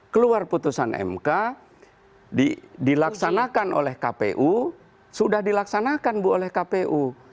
keluar putusan mk dilaksanakan oleh kpu sudah dilaksanakan bu oleh kpu